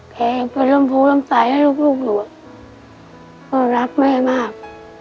แกก็เริ่มพูดเริ่มสายให้ลูกลูกหนูอ่ะก็รักแม่มาก